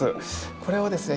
これをですね